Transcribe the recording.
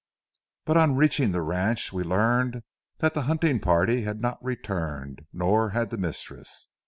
But on reaching the ranch we learned that the hunting party had not returned, nor had the mistress.